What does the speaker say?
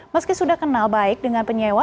meski sudah kenal baik dengan penyewa